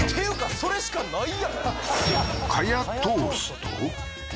それしかないやん何？